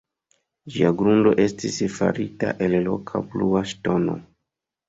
Ĝia grundo estis farita el loka blua ŝtono.